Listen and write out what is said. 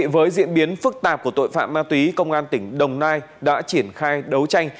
với diễn biến phức tạp của tội phạm ma túy công an tỉnh đồng nai đã triển khai đấu tranh